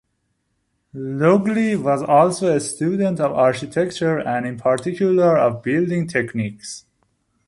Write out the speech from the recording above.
Lugli was also a student of architecture, and in particular of building techniques.